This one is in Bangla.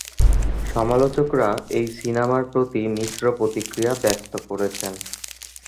সমালোচকরা এই সিনেমার প্রতি মিশ্র প্রতিক্রিয়া ব্যক্ত করেছেন।